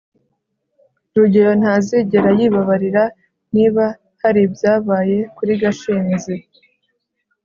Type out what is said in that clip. rugeyo ntazigera yibabarira niba hari ibyabaye kuri gashinzi